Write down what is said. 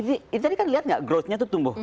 ini tadi kan dilihat gak growthnya itu tumbuh